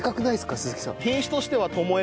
鈴木さん。